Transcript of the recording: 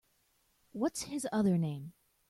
What’s his other name?